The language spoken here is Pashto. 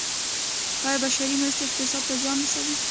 آیا بشري مرستې اقتصاد ته زیان رسوي؟